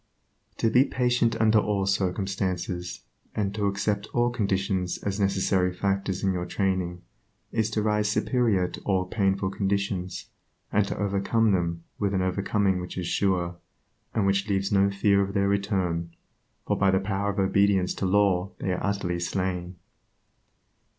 To be patient under all circumstances, and to accept all conditions as necessary factors in your training, is to rise superior to all painful conditions, and to overcome them with an overcoming which is sure, and which leaves no fear of their return, for by the power of obedience to law they are utterly slain.